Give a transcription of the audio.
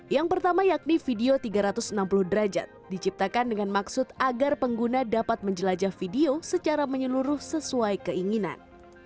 yang pertama yakni video tiga ratus enam puluh derajat diciptakan dengan maksud agar pengguna dapat menjelajah video secara menyeluruh sesuai keinginan